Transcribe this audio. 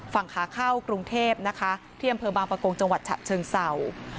ฝั่งขาเข้ากรุงเทพนะคะที่อำเภอบางประกงจังหวัดฉะเชิงเศร้า